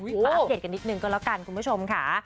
มาอัปเดตกันนิดนึงก็แล้วกันคุณผู้ชมค่ะ